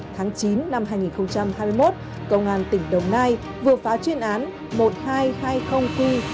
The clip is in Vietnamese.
tháng chín năm hai nghìn hai mươi một công an tỉnh đồng nai vừa phá chuyên án một nghìn hai trăm hai mươi q